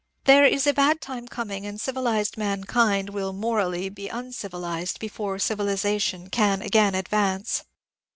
There is a bad time coming, and civilized mankind will (morally) be uncivilized before civiliza tion can again advance.